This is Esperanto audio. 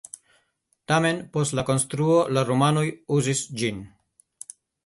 Tamen post la konstruo la rumanoj uzis ĝin.